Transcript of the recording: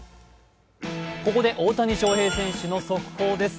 ここで大谷翔平選手の速報です。